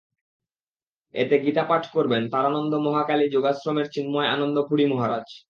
এতে গীতা পাঠ করবেন তারানন্দ মহাকালি যোগাশ্রমের চিন্ময় আনন্দ পুরি মহারাজ।